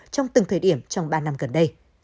trong từng thời điểm trong ba năm gần đây